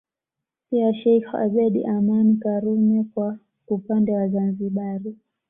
Pia Sheikh Abeid Amani Karume kwa upande wa Zanzibari